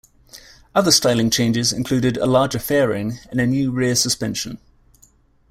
Other styling changes included a larger fairing and a new rear suspension.